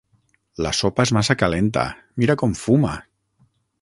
La sopa és massa calenta: mira com fuma!